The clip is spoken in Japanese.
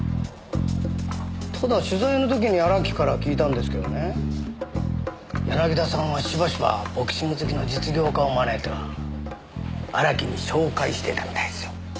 ただ取材の時に荒木から聞いたんですけどね柳田さんはしばしばボクシング好きの実業家を招いては荒木に紹介してたみたいっすよ。